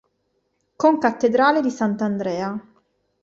Concattedrale di Sant'Andrea